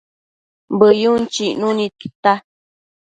Bëyun chicnu nid tita